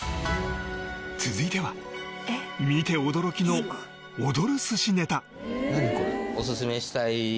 続いては見て驚きの踊る寿司ネタ！